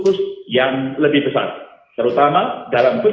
kinerjaan raja pembayaran indonesia pada tahun dua ribu dua puluh dua